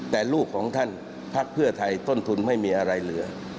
แต่ลูกของท่านพักเพื่อไทยต้นทุนไม่มีอะไรเหลือ